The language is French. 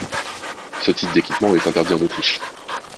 Ce type d'équipement est interdit en Autriche.